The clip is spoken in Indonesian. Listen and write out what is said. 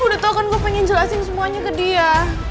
udah tau kan gue pengen jelasin semuanya ke dia